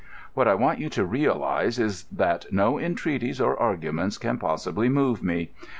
What I want you to realise is that no entreaties or arguments can possibly move me.